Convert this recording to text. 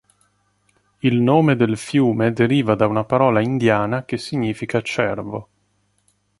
Il nome del fiume deriva da una parola indiana che significa "cervo".